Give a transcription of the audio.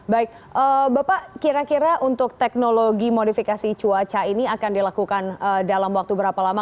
baik bapak kira kira untuk teknologi modifikasi cuaca ini akan dilakukan dalam waktu berapa lama